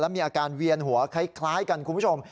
มีอาการเวียนหัวคล้ายกันคุณผู้ชม